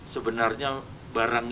sebenarnya barang ini